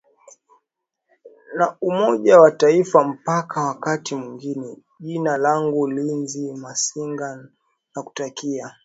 na umoja wa afrika mpaka wakati mwingine jina langu linzi masinga nakutakia